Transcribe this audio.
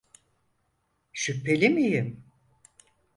Şüpheli miyim?